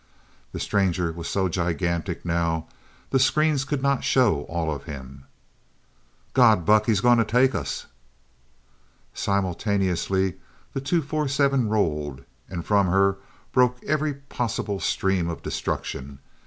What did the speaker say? The stranger was so gigantic now, the screens could not show all of him. "God, Buck he's going to take us!" Simultaneously, the T 247 rolled, and from her broke every possible stream of destruction.